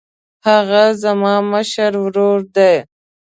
هغه زما مشر ورور دی.